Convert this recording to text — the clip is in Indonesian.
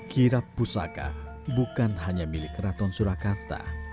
kirap pusaka bukan hanya milik keraton surakarta